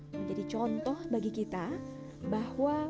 menjadi contoh bagi kita bahwa